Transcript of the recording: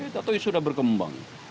tentunya sudah berkembang